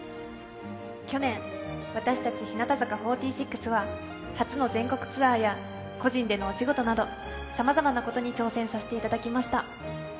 去年、私たち日向坂４６は初の全国ツアーや個人でのお仕事などさまざまなことに挑戦させていただきました。